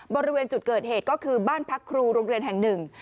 บริเวณจุดเกิดเหตุก็คือบ้านพักครูโรงเรียนแห่งหนึ่ง